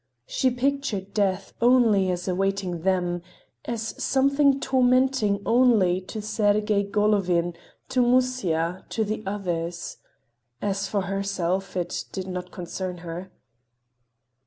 She pictured death, only as awaiting them, as something tormenting only to Sergey Golovin, to Musya, to the others—as for herself, it did not concern her.